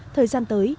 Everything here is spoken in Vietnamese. thời gian tới